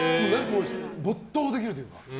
没頭できるというか。